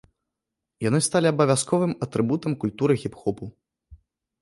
Яны сталі абавязковым атрыбутам культуры хіп-хопу.